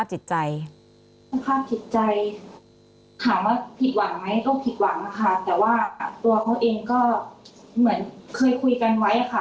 ผิดหวังไหมก็ผิดหวังนะคะแต่ว่าตัวเขาเองก็เหมือนเคยคุยกันไว้ค่ะ